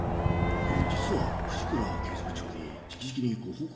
実は藤倉刑事部長に直々にご報告が。